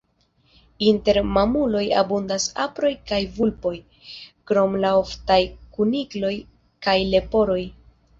Inter mamuloj abundas aproj kaj vulpoj, krom la oftaj kunikloj kaj leporoj.